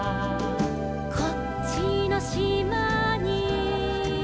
「こっちのしまに」